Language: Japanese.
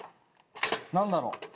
何だろう？